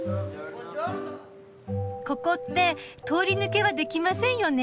ここって通り抜けはできませんよね？